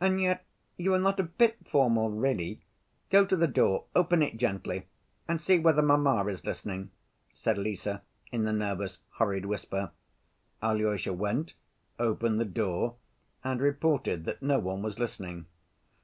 And yet you are not a bit formal really. Go to the door, open it gently, and see whether mamma is listening," said Lise, in a nervous, hurried whisper. Alyosha went, opened the door, and reported that no one was listening.